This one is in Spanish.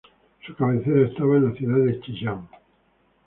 Su cabecera estaba en la Ciudad de Chillán.